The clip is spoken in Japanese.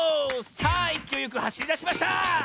さあいきおいよくはしりだしました！